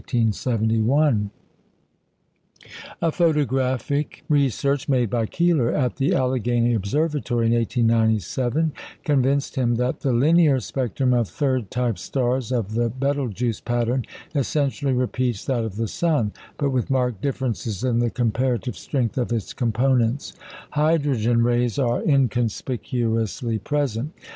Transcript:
A photographic research, made by Keeler at the Alleghany Observatory in 1897, convinced him that the linear spectrum of third type stars of the Betelgeux pattern essentially repeats that of the sun, but with marked differences in the comparative strength of its components. Hydrogen rays are inconspicuously present.